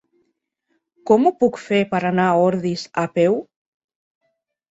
Com ho puc fer per anar a Ordis a peu?